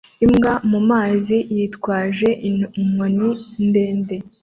Imbwa mumazi yitwaje inkoni ndende